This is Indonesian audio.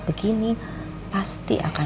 begini pasti akan